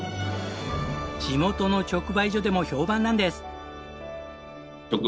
地元の直売所でも評判なんです。